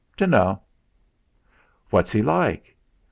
"Dunno." "What's he like?"